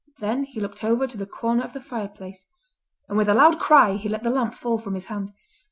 Then he looked over to the corner of the fireplace—and with a loud cry he let the lamp fall from his hand.